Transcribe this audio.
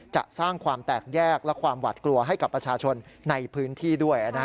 จะสร้างความแตกแยกและความหวัดกลัวให้กับประชาชนในพื้นที่ด้วย